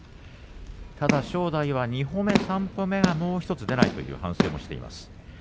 正代は２歩目、３歩目がどうも出ないという反省もしています。